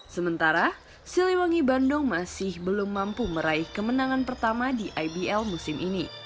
sementara siliwangi bandung masih belum mampu meraih kemenangan pertama di ibl musim ini